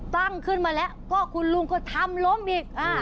ตั้งขึ้นมาแล้วก็คุณลุงก็ทำล้มอีก